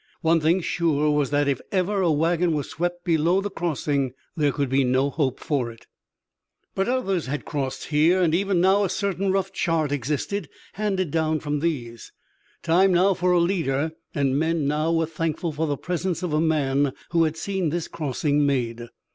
One thing sure was that if ever a wagon was swept below the crossing there could be no hope for it. But others had crossed here, and even now a certain rough chart existed, handed down from these. Time now for a leader, and men now were thankful for the presence of a man who had seen this crossing made.